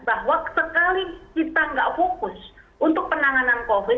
bahwa sekali kita nggak fokus untuk penanganan covid